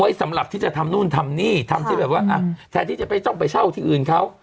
ไว้สำหรับที่จะทำนู่นทำนี่แทนที่จะไปเจ้าที่อื่นเขา